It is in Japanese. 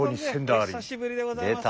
出た！